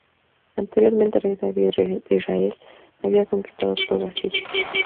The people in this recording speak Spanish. Anteriormente el rey David de Israel había conquistado toda Siria.